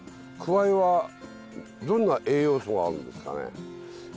くわいはどんな栄養素があるんですかね。